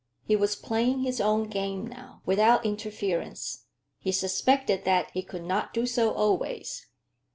He was playing his own game now, without interference; he suspected that he could not do so always.